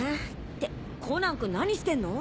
ってコナン君何してるの？